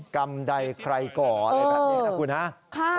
กรรมใดใครก่ออะไรแบบนี้นะคุณฮะ